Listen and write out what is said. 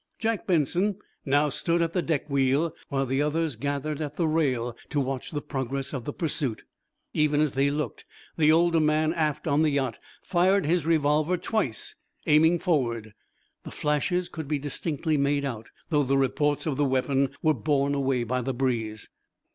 Jack Benson now stood at the deck wheel, while the others gathered at the rail to watch the progress of the pursuit. Even as they looked, the older man aft on the yacht fired his revolver twice, aiming forward. The flashes could be distinctly made out, though the reports of the weapon were borne away by the breeze.